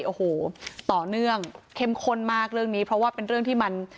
โอ้โหต่อเนื่องเข้มข้นมากเรื่องนี้เพราะว่าเป็นเรื่องที่มัน